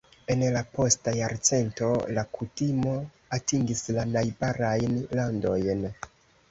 En la posta jarcento, la kutimo atingis la najbarajn landojn.